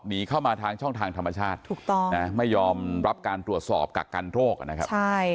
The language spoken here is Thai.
หนีเข้ามาทางช่องทางธรรมชาติไม่ยอมรับการตรวจสอบกับการโรคนะครับ